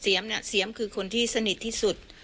เนี่ยเสียมคือคนที่สนิทที่สุด